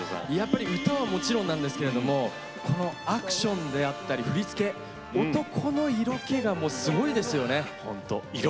歌はもちろんなんですけれどもアクションであったり、振り付け男の色気がすごいですよね。